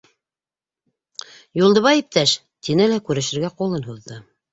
Юлдыбай иптәш? - тине лә күрешергә ҡулын һуҙҙы.